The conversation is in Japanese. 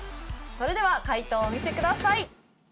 それでは解答をお見せください。